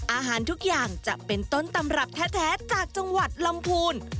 อาหารทุกอย่างจะเป็นต้นตำรับแท้จากจังหวัดลำพูน